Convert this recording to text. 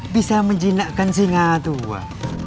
bisa menjinakkan singa tua